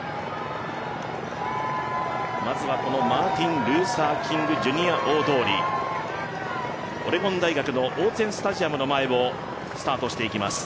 まずはこのマーティン・ルーサー・キング・ジュニア大通りオレゴン大学のオーツェン・スタジアムの前をスタートしていきます。